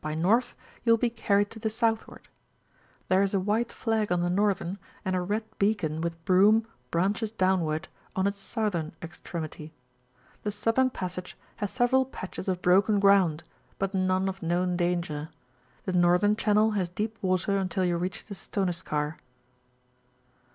by N., you will be carried to the southward; there is a white flag on the northern, and a red beacon, with broom, branches downward, on its southern extremity. The southern passage has aeY&ral patches of broken ground, but none of known danger; the northern channel has deep water until you reach the Stoneskar.